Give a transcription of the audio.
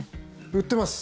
売ってます。